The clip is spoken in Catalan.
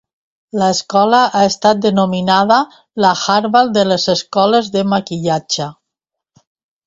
L'escola ha estat denominada "la Harvard de les escoles de maquillatge".